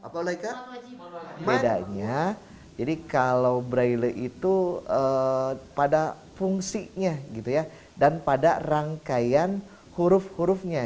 apalagi bedanya jadi kalau braille itu pada fungsinya gitu ya dan pada rangkaian huruf hurufnya